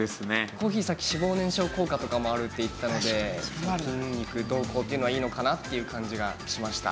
コーヒーさっき脂肪燃焼効果とかもあるって言ってたので筋肉どうこうっていうのはいいのかなっていう感じがしました。